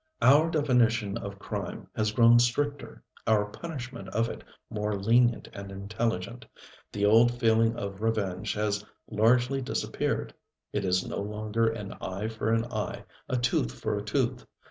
Our definition of crime has grown stricter, our punishment of it more lenient and intelligent. The old feeling of revenge has largely disappeared. It is no longer an eye for an eye, a tooth for a tooth.